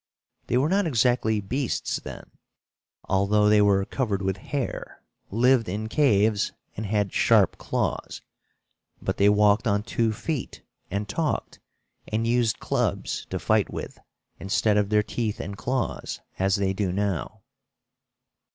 They were not exactly beasts then, although they were covered with hair, lived in caves and had sharp claws; but they walked on two feet, and talked, and used clubs to fight with, instead of their teeth and claws, as they do now.